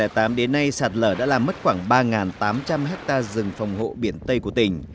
kể từ năm hai nghìn tám đến nay sạt lở đã làm mất khoảng ba tám trăm linh hectare rừng phòng hộ biển tây của tỉnh